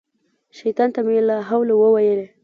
شیطان ته مې لا حول وویلې.